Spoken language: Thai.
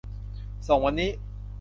ส่งวันนี้